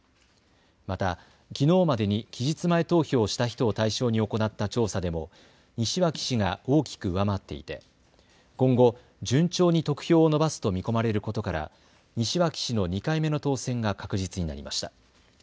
また、きのうまでに期日前投票をした人を対象に行った調査でも西脇氏が大きく上回っていて今後、順調に得票を伸ばすと見込まれることから西脇氏の２回目の当選が確実になりました。